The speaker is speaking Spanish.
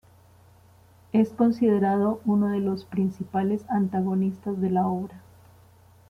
Es considerado uno de los principales antagonistas de la obra.